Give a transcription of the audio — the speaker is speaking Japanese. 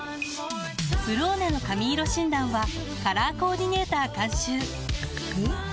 「ブローネ」の髪色診断はカラーコーディネーター監修おっ！